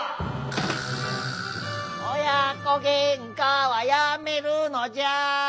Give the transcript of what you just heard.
「おや子げんかはやめるのじゃ」